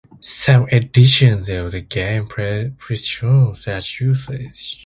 Some editions of the game presume such usage.